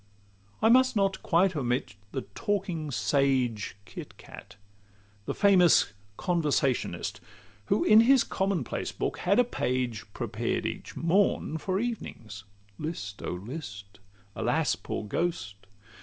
I must not quite omit the talking sage, Kit Cat, the famous Conversationist, Who, in his common place book, had a page Prepared each morn for evenings. "List, oh, list!" "Alas, poor ghost!"